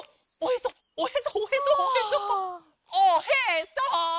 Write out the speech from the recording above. おへそ！